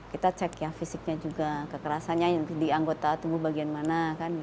kita cek ya fisiknya juga kekerasannya di anggota tubuh bagian mana